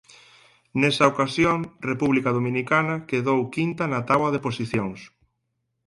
Nesa ocasión República Dominicana quedou quinta na táboa de posicións.